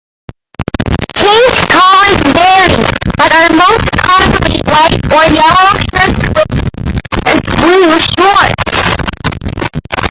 Change colours vary, but are most commonly white or yellow shirts with blue shorts.